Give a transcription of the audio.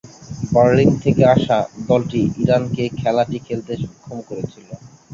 Berlin থেকে আসা দলটি ইরানকে খেলাটি খেলতে সক্ষম করেছিল।